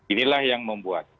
inilah yang membuat